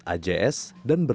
dan berlaku di dalam kamar